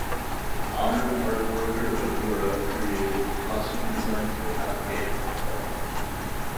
Honored Art Worker Badura created costume designs for Afghan opera.